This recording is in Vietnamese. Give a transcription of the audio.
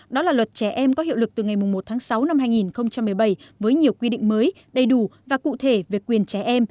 đó là luật trẻ em có hiệu lực từ ngày một tháng sáu năm hai nghìn một mươi bảy với nhiều quy định mới đầy đủ và cụ thể về quyền trẻ em